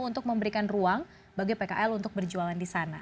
untuk memberikan ruang bagi pkl untuk berjualan di sana